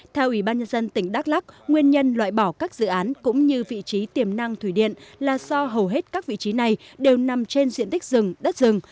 theo ubnd tỉnh đắk lắc nguyên nhân loại bỏ các dự án cũng như vị trí tiềm năng thủy điện là do hầu hết các vị trí này đều nằm trên diện tích rừng đất rừng